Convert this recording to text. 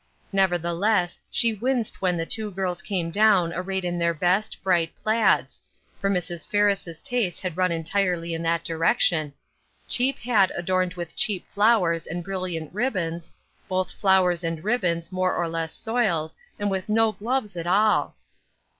Nevertheless she winced when the iwo girls came down arrayed in their best, bright plaids — for Mrs. Ferris' taste had run entirely in that direction — cheap hat adorned with cheap flowers and brilliant ribbons, both flowers and ribbons more or less soiled, and with no gloves at all.